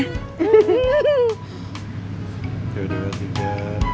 tiga dua tiga